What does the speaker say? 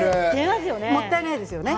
もったいないですよね。